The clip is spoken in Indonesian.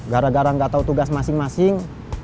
gara gara gak tahu tugas masing masing